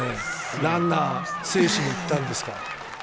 ランナーを制止にいったんですか。